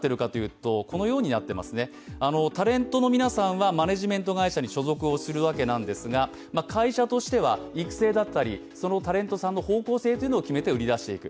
タレントの皆さんはマネジメント会社に所属をするわけですが、会社としては育成だったり、そのタレントさんの方向性を決めて売り出していく。